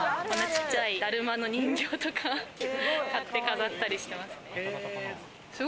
ちっちゃいだるまの人形とか買って飾ったりしてます。